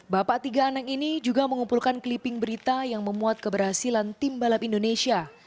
bapak tiga anak ini juga mengumpulkan clipping berita yang memuat keberhasilan tim balap indonesia